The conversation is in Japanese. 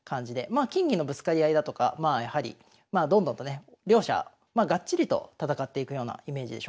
まあ金銀のぶつかり合いだとかまあどんどんとね両者がっちりと戦っていくようなイメージでしょうか。